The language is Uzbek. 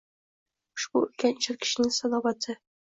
Ushbu ulkan ijod kishisining salobatiedi.